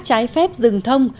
trái phép rừng thông